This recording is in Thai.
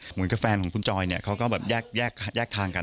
เหมือนกับแฟนของคุณจอยเขาก็แยกทางกัน